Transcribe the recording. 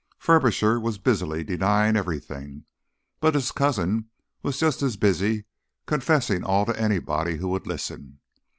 Furbisher was busily denying everything, but his cousin was just as busy confessing all to anybody who would listen.